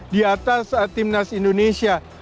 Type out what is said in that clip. di atas timnas indonesia